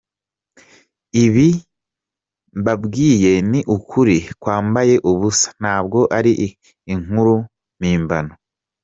Ibi mbabwiye ni ukuri kwambaye ubusa ntabwo ari inkuru mpimbano.